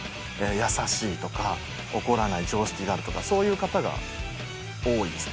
優しいとか怒らない常識があるとかそういう方が多いですね。